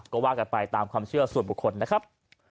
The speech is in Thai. ก็ว่ากันไปตามความเชื่อส่วนบุคคลนะครับ